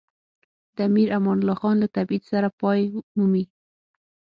د امیر امان الله له تبعید سره پای مومي.